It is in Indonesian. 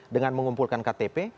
dengan mengumpulkan ktp